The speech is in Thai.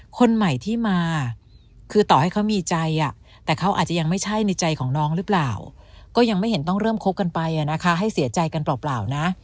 คนใหม่ที่มาคือต่อให้เขามีใจแต่เขาอาจจะยังไม่ใช่ในใจของน้องหรือเปล่าก็ยังไม่เห็นต้องเริ่มคบกันไปนะคะให้เสียใจกันเปล่านะ